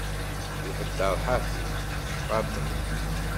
Iheddeṛ ḥafi, baṭel.